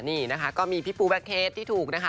นี่นะคะก็มีพี่ปูแบ็คเคสที่ถูกนะคะ